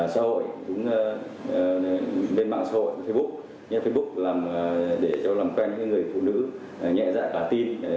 xã hội bên mạng xã hội facebook để làm quen với những người phụ nữ nhẹ dạy bản tin